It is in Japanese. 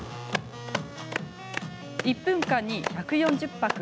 １分間に１４０拍。